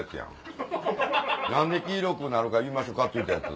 何で黄色くなるか言いましょか？って言うたやつ。